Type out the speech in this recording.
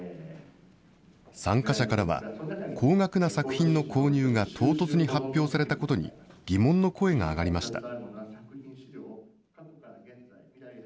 参加者からは、高額な作品の購入が唐突に発表されたことに、疑問の声が上がりました。